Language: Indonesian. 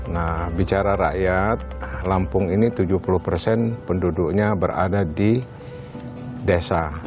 nah bicara rakyat lampung ini tujuh puluh persen penduduknya berada di desa